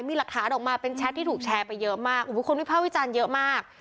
มีหลักฐานออกมาเป็นแชทที่ถูกแชร์ไปเยอะมากคนวิภาควิจารณ์เยอะมาก